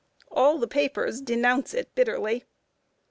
All the papers denounce it bitterly.